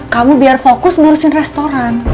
kamu biar fokus ngurusin restoran